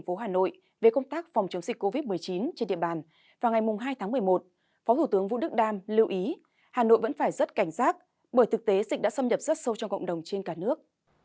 phó thủ tướng vũ đức đam lưu ý hà nội vẫn phải rất cảnh giác bởi thực tế dịch đã xâm nhập rất sâu trong cộng đồng trên cả nước